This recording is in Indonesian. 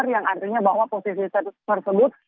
yang artinya bahwa posisi tersebut